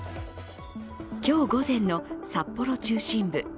今日午前の札幌中心部。